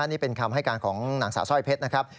นี่เป็นคำให้การของนางสาวสร้อยเพชรนะครับ